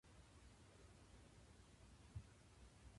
新しい筆箱欲しいな。